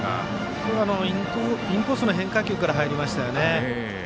これはインコースの変化球から入りましたよね。